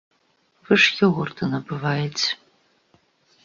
Вы ж ёгурты набываеце!